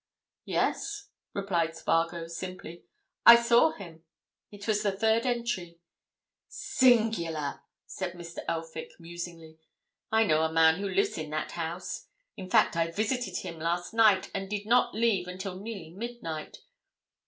"Yes," replied Spargo, simply. "I saw him. It was the third entry." "Singular!" said Mr. Elphick, musingly. "I know a man who lives in that house. In fact, I visited him last night, and did not leave until nearly midnight.